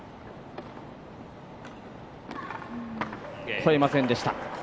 越えませんでした。